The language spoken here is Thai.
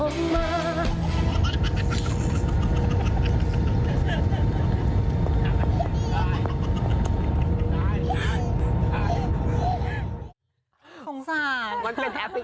ได้